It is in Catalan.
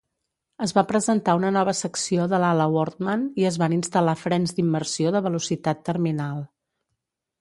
Es va presentar una nova secció de l'ala Wortmann i es van instal·lar frens d'immersió de velocitat terminal.